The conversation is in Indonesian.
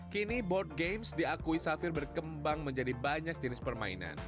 kini board games diakui safir berkembang menjadi banyak jenis permainan